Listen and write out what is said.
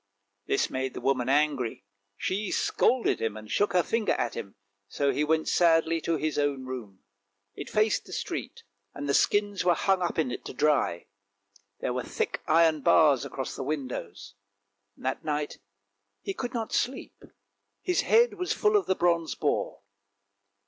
This made the woman angry, she scolded him and shook her finger at him, so he went sadly to his own room. It faced the street, and the skins were hung up in it to dry ; there were thick iron bars across the windows. That night he could not sleep, his head was full of the bronze boar.